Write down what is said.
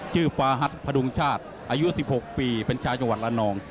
ฟาฮัทพดุงชาติอายุ๑๖ปีเป็นชาวจังหวัดละนอง